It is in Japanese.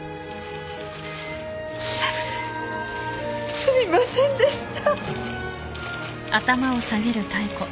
すみませんでした。